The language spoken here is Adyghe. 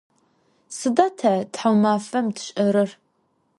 Sıda te thaumafem tş'erer?